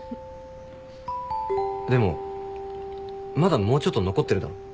でもまだもうちょっと残ってるだろ。